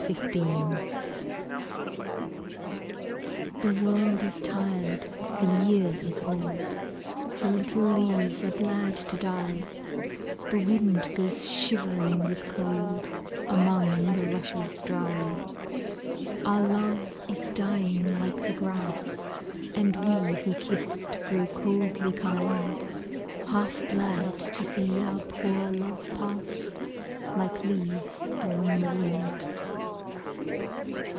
November The world is tired, the year is old, The little leaves are glad to die, The wind goes shivering with cold Among the rushes dry. Our love is dying like the grass, And we who kissed grow coldly kind, Half glad to see our poor love pass Like leaves along the wind.